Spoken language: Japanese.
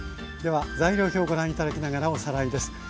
では材料表ご覧頂きながらおさらいです。